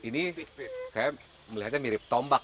ini saya melihatnya mirip tombak